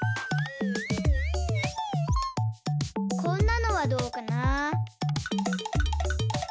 こんなのはどうかな？